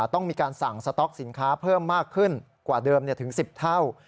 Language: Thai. ต้องมีการสั่งสต๊อกสินค้าเพิ่มมากขึ้นกว่าเดิมถึง๑๐เท่า